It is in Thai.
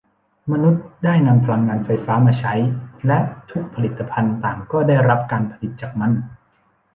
มนุษย์ได้นำพลังงานไฟฟ้ามาใช้และทุกผลิตภัณฑ์ต่างก็ได้รับการผลิตจากมัน